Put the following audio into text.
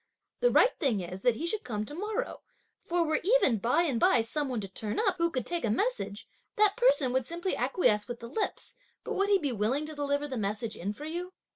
The right thing is that he should come to morrow; for were even by and by some one to turn up, who could take a message, that person would simply acquiesce with the lips, but would he be willing to deliver the message in for you?"